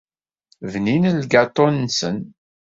Bnin lgaṭu-nsen.